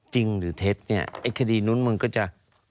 จริงหรือเท็จเนี่ยไอ้คดีนู้นมึงก็จะ